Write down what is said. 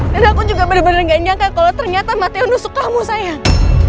dan aku juga bener bener gak nyangka kalau ternyata mateo nusuk kamu sayang